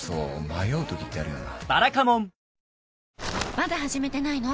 まだ始めてないの？